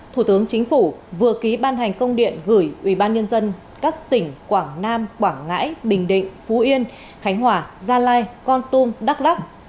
thủ tướng chính phủ vừa ký ban hành công điện gửi ubnd các tỉnh quảng nam quảng ngãi bình định phú yên khánh hòa gia lai con tum đắk lắc